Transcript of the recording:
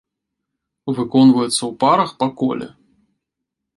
Выконваецца ў парах па коле.